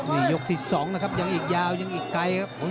นี่ยกที่๒นะครับยังอีกยาวยังอีกไกลครับ